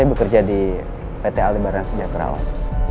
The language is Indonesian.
saya bekerja di pt ali barang sejak kerawang